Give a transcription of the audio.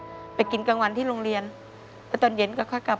อเรนนี่ต้องมีวัคซีนตัวหนึ่งเพื่อที่จะช่วยดูแลพวกม้ามและก็ระบบในร่างกาย